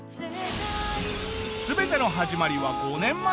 全ての始まりは５年前。